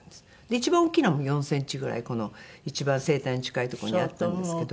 一番大きいのは４センチぐらいこの一番声帯に近いとこにあったんですけど。